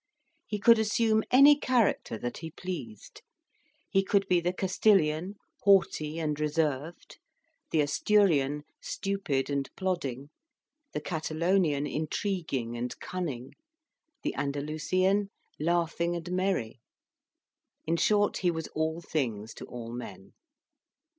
He could assume any character that he pleased: he could be the Castilian, haughty and reserved; the Asturian, stupid and plodding; the Catalonian, intriguing and cunning; the Andalusian, laughing and merry; in short, he was all things to all men.